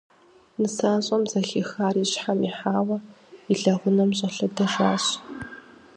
Нысащӏэм, зэхихар и щхьэм ихьауэ, и лэгъунэм щӏэлъэдэжащ.